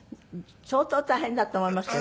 相当大変だと思いますけど。